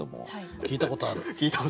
聞いたことある！